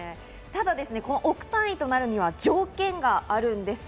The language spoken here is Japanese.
ただ、億単位となるには条件があるんです。